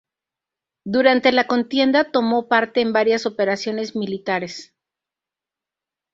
Durante la contienda tomó parte en varias operaciones militares.